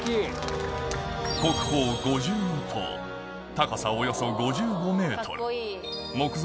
高さおよそ５５ｍ